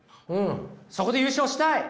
そこで優勝したい。